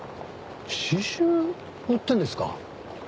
詩集売ってるんですか。